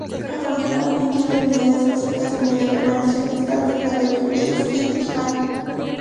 Afortunadamente las unidades básicas de medida permanecieron estables durante los periodos Qin y Han.